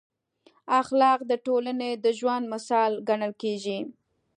اخلاق د ټولنې د ژوند مشال ګڼل کېږي.